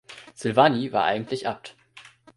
Silvani war eigentlich Abt.